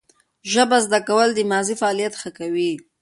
ژبه زده کول د مغزي فعالیت ښه کوي.